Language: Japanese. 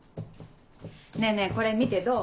ねぇねぇこれ見てどう？